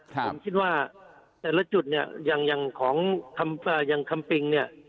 ผมคิดว่าแต่ละจุดเนี่ยอย่างของอย่างคำปิงเนี่ย